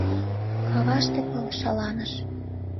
Каваште пыл шаланыш.